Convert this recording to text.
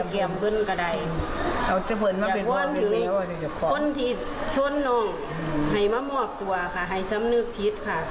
คนที่ชนน้องให้มามอบตัวค่ะให้สำนึกผิดค่ะ